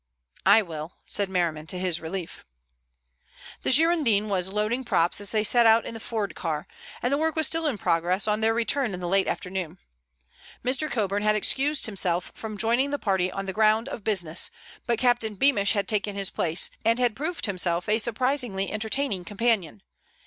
"I will," said Merriman, to his relief. The Girondin was loading props as they set out in the Ford car, and the work was still in progress on their return in the late afternoon. Mr. Coburn had excused himself from joining the party on the ground of business, but Captain Beamish had taken his place, and had proved himself a surprisingly entertaining companion.